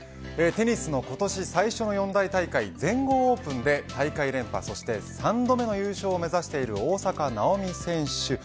テニスの今年最初の四大大会全豪オープンで大会連覇そして３度目の優勝を目指している大坂なおみ選手